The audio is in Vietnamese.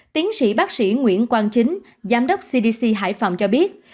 tiến sĩ bác sĩ nguyễn quang chính giám đốc cdc hải phòng cho biết